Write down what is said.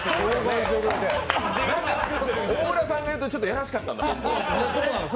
大村さんが言うと、ちょっとやらしかったんだ。